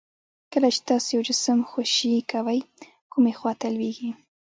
کله چې تاسو یو جسم خوشې کوئ کومې خواته لویږي؟